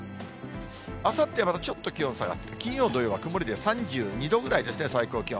あさってはまたちょっと気温が下がって、金曜、土曜は曇りで３２度ぐらいですね、最高気温。